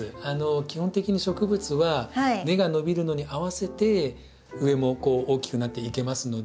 基本的に植物は根が伸びるのに合わせて上も大きくなっていけますので。